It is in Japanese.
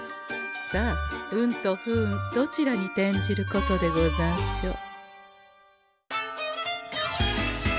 さあ運と不運どちらに転じることでござんしょう。